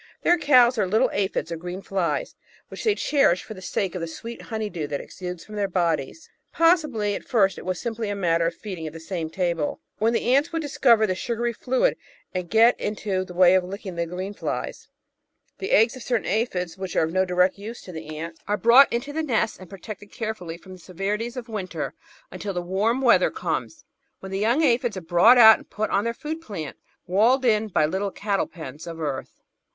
Their "cows" are little aphides or green flies, which they cherish for the sake of the sweet "honey dew" that exudes from their bodies. Possibly at first it was simply a matter of feeding at the same table, when the ants would discover the sugary fluid and get into the way of licking the green flies. The eggs of a certain aphis, which are of no direct use to the 518 The Outline of Science ants, are brought into the nests and protected carefully from the severities of winter until the warm weather comes» when the young aphides are brought out and put on their food plant, walled in by little "cattle pens" of earth.